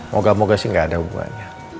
moga moga sih gak ada hubungannya